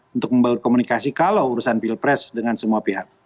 untuk membangun komunikasi kalau urusan pilpres dengan semua pihak